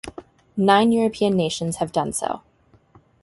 Nine European nations have done so.